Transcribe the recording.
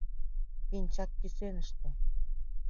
— Пинчак кӱсеныште.